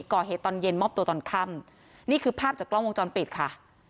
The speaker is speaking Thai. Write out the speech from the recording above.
ก่อเหตุตอนเย็นมอบตัวตอนค่ำนี่คือภาพจากกล้องวงจรปิดค่ะ